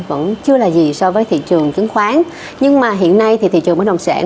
vẫn chưa là gì so với thị trường chứng khoán nhưng mà hiện nay thì thị trường bất đồng sản